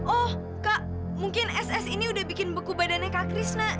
oh kak mungkin ss ini udah bikin beku badannya kak kris nak